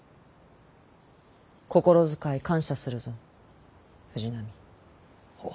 心遣い感謝するぞ藤波。